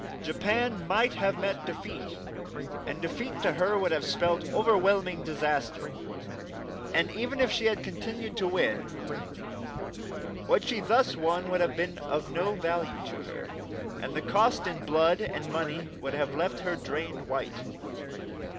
Japan might have met defeat, and defeat to her would have spelt overwhelming disaster; and even if she had continued to win, what she thus won would have been of no value to her, and the cost in blood and money would have left her drained white.